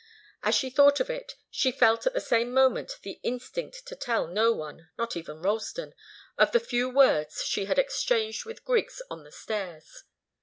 As she thought of it, she felt at the same moment the instinct to tell no one, not even Ralston, of the few words she had exchanged with Griggs on the stairs.